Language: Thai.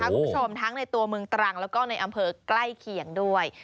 ทั้งในตัวเมืองตรังแล้วก็ในอำเภอใกล้เคียงด้วย